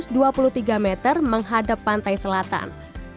sejumlah bukit dengan bentang satu ratus dua puluh tiga meter menghadap pantai selatan